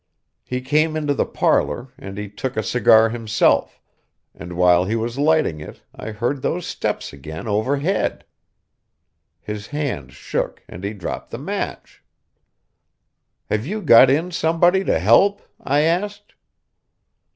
He came into the parlour, and he took a cigar himself, and while he was lighting it I heard those steps again overhead. His hand shook, and he dropped the match. "Have you got in somebody to help?" I asked.